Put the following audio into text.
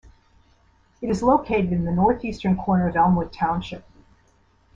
It is located in the northeastern corner of Elmwood Township.